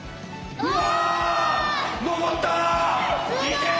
うわ！